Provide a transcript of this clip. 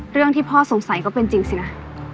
เรื่องที่พ่อสงสัยก็เป็นจริงสินะ